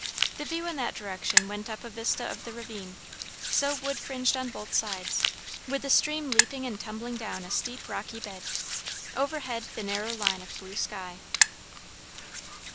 The view in that direction went up a vista of the ravine, so wood fringed on both sides, with the stream leaping and tumbling down a steep rocky bed. Overhead the narrow line of blue sky.